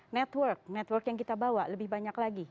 network network yang kita bawa lebih banyak lagi